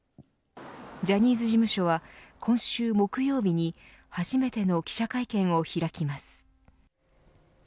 ジャニーズ事務所は今週木曜日に初めての記者会見を開きます。